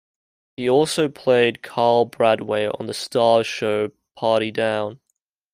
He also played Kyle Bradway on the Starz show "Party Down".